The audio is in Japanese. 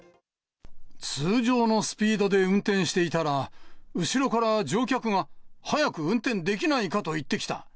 通常のスピードで運転していたら、後ろから乗客が、早く運転できないかと言ってきた。